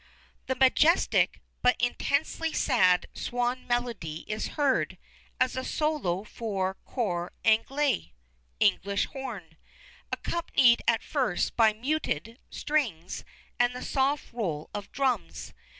"The majestic, but intensely sad, swan melody is heard as a solo for cor anglais [English horn], accompanied at first by muted strings and the soft roll of drums.